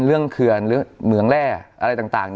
เรื่องเผือนหรือเหมืองแร่อะไรต่าง